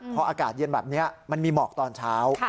พออากาศเย็นแบบนี้มันมีหมอกตอนเช้า